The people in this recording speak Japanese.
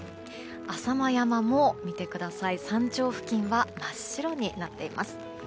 浅間山も山頂付近は真っ白になっています。